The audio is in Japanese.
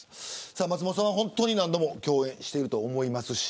松本さんは何度も共演していると思います。